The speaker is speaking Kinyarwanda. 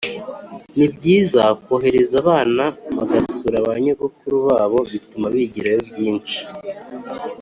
Nibyiza kohereza abana bagasura banyogokuru babo bituma bigirayo byinshi